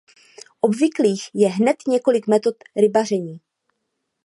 Obvyklých je hned několik metod rybaření.